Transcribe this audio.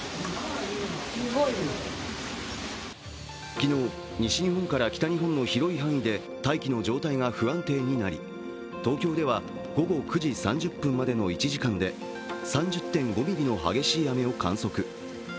昨日、西日本から北日本の広い範囲で大気の状態が不安定になり、東京では午後９時３０分までの１時間で３０．５ミリの激しい雨を観測。